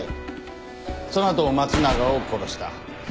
そのあと松永を殺した。